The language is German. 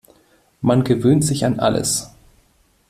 Man gewöhnt sich an alles.